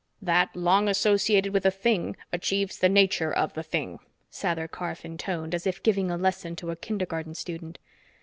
"That long associated with a thing achieves the nature of the thing," Sather Karf intoned, as if giving a lesson to a kindergarten student.